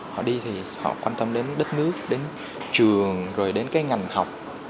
họ đi thì họ quan tâm đến đất nước đến trường rồi đến cái ngành học